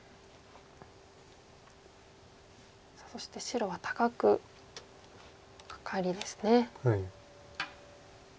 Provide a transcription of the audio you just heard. さあそして白は高くカカリですね。